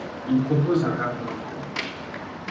Il propose un rap militant.